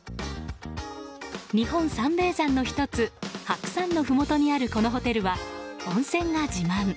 日本三名山の１つ白山のふもとにあるこのホテルは、温泉が自慢。